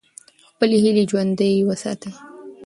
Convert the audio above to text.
خپلې هیلې ژوندۍ وساتئ.